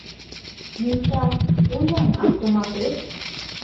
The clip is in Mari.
Миша, пу-ян автоматет?